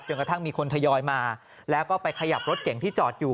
กระทั่งมีคนทยอยมาแล้วก็ไปขยับรถเก่งที่จอดอยู่